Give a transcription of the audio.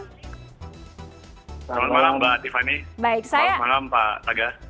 selamat malam mbak tiffany selamat malam pak taga